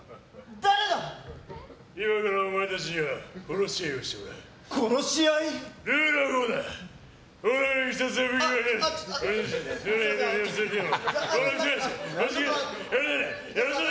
今からお前たちには殺し合いをしてもらう。